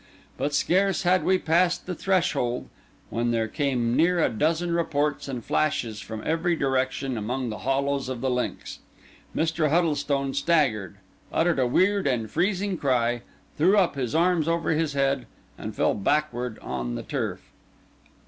But scarce had we passed the threshold when there came near a dozen reports and flashes from every direction among the hollows of the links. Mr. Huddlestone staggered, uttered a weird and freezing cry, threw up his arms over his head, and fell backward on the turf.